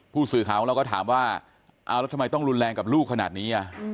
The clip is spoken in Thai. ผู้สื่อข่าวของเราก็ถามว่าเอาแล้วทำไมต้องรุนแรงกับลูกขนาดนี้